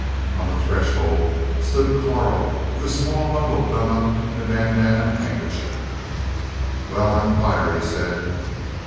On the threshold stood Karl with a small bundle done up in a bandana handkerchief. "Well, I am fired," he said.